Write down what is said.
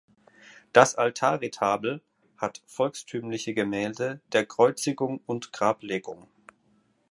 Das Altarretabel hat volkstümliche Gemälde der Kreuzigung und Grablegung.